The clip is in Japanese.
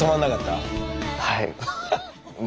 はい。